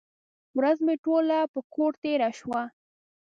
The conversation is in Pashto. ورځ مې ټوله په کور تېره شوه.